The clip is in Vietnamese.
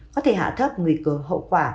có thể hạ thấp nguy cơ hậu quả